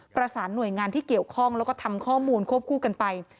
ประสานหน่วยงานที่เกี่ยวข้องแล้วก็ทำข้อมูลควบคู่กันไป